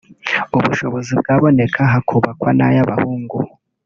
ubushobozi bwaboneka hakubakwa n’ayabahungu